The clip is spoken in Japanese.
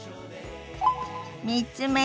３つ目。